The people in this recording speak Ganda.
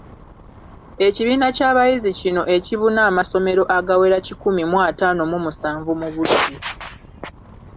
Ekibiina ky’abayizi kino ekibuna amasomero agawera kikumu mu ataano mu musanvu mu Buddu